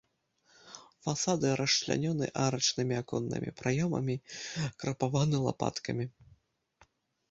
Фасады расчлянёны арачнымі аконнымі праёмамі, крапаваны лапаткамі.